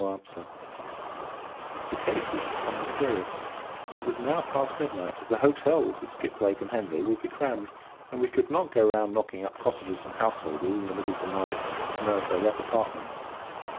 No answer! The case was becoming serious. it was now past midnight. The hotels at Skiplake and Henley would be crammed; and we could not go round, knocking up cottagers and householders in the middle of the night, to know if they let apartments!